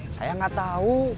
saya nggak tahu